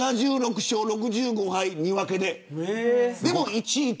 ７６勝６５敗２分けで。